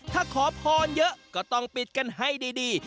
ถ้าขอพรเยอะก็ต้องปิดกันให้ดี